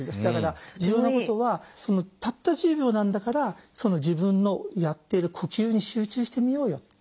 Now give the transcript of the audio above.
だから重要なことはたった１０秒なんだから自分のやっている呼吸に集中してみようよ